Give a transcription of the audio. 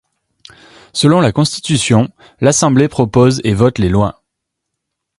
Selon la Constitution, l'Assemblée propose et vote les lois.